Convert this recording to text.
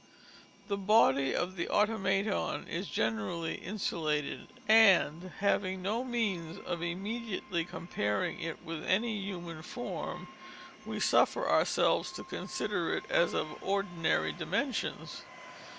The body of the Automaton is generally insulated, and, having no means of immediately comparing it with any human form, we suffer ourselves to consider it as of ordinary dimensions.